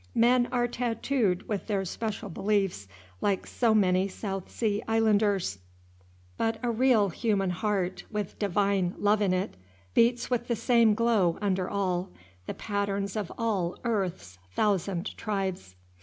Men are tattooed with their special beliefs like so many South Sea Islanders; but a real human heart, with Divine love in it, beats with the same glow under all, the patterns of all earth's thousand tribes!